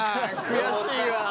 悔しいわ。